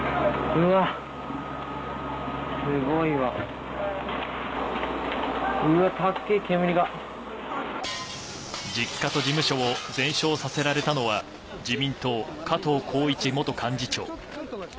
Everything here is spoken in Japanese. うわ、実家と事務所を全焼させられたのは、自民党、加藤紘一元幹事長。